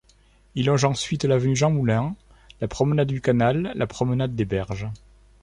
Il longe ensuite l'avenue Jean Moulin, la promenade du canal, la promenade des Berges.